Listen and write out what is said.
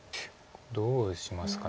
どうしますか。